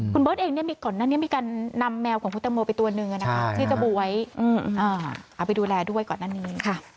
คุณเบิร์ตเองก่อนหน้านี้มีการนำแมวของคุณตังโมไปตัวหนึ่งชื่อเจ้าบ๊วยเอาไปดูแลด้วยก่อนหน้านี้